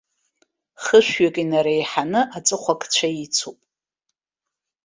Хышәҩык инареиҳаны аҵыхәакцәа ицуп.